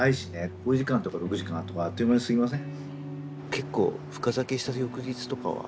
５時間とか６時間とかあっという間に過ぎません？